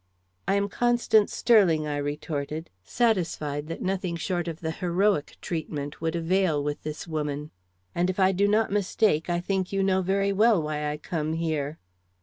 _" "I am Constance Sterling," I retorted, satisfied that nothing short of the heroic treatment would avail with this woman; "and if I do not mistake, I think you know very well why I come here."